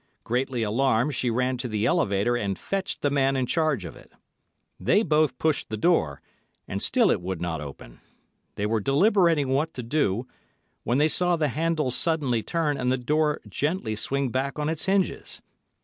Greatly alarmed, she ran to the elevator and fetched the man in charge of it. They both pushed the door, and still it would not open. They were deliberating what to do, when they saw the handle suddenly turn and the door gently swing back on its hinges.